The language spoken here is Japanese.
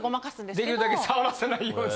できるだけ触らせないように。